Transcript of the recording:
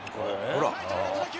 ほら。